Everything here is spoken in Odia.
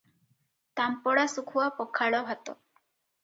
ତାମ୍ପଡ଼ା ଶୁଖୁଆ ପଖାଳ ଭାତ ।।